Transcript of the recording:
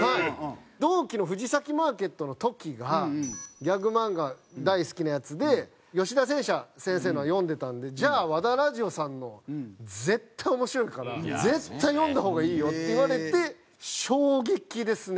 同期の藤崎マーケットのトキがギャグ漫画大好きなヤツで吉田戦車先生のを読んでたのでじゃあ和田ラヂヲさんの絶対面白いから絶対読んだ方がいいよって言われて衝撃ですね。